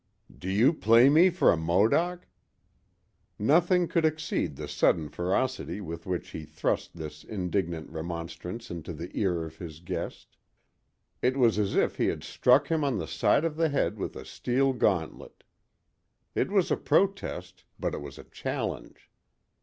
"Do you play me for a Modoc?" Nothing could exceed the sudden ferocity with which he thrust this indignant remonstrance into the ear of his guest. It was as if he had struck him on the side of the head with a steel gauntlet. It was a protest, but it was a challenge.